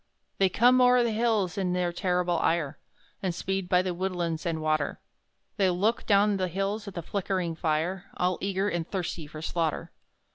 They come o'er the hills in their terrible ire, And speed by the woodlands and water; They look down the hills at the flickering fire, All eager and thirsty for slaughter.